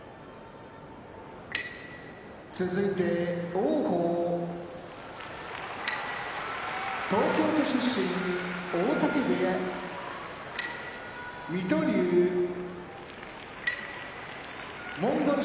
王鵬東京都出身大嶽部屋水戸龍モンゴル